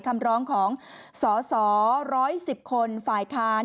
คำร้องของสส๑๑๐คนฝ่ายค้าน